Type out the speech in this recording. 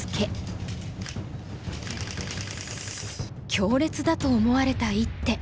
強烈だと思われた一手。